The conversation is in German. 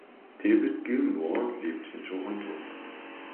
David Gilmour lebt in Toronto.